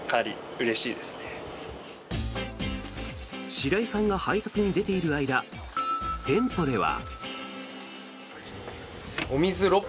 白井さんが配達に出ている間店舗では。